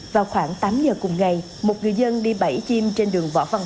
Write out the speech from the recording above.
vào khoảng tám giờ cùng ngày một người dân đi bẫy chim trên đường võ văn